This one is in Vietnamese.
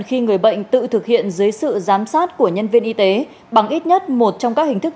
khi người bệnh tự thực hiện dưới sự giám sát của nhân viên y tế bằng ít nhất một trong các hình thức